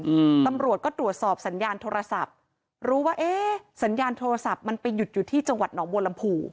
อืมตำรวจก็ตรวจสอบสัญญาณโทรศัพท์รู้ว่าเอ๊ะสัญญาณโทรศัพท์มันไปหยุดอยู่ที่จังหวัดหนองบัวลำพู